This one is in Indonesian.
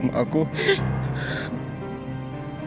mama berkorban buat aku